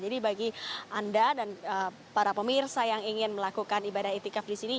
jadi bagi anda dan para pemirsa yang ingin melakukan ibadah itikaf di sini